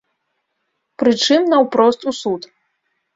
Прычым, наўпрост у суд.